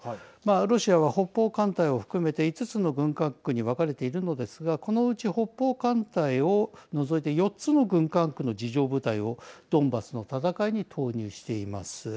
ロシアは、北方艦隊を含めて５つの軍管区に分かれているのですがこのうち北方艦隊を除いて４つの軍管区の地上部隊をドンバスの戦いに投入しています。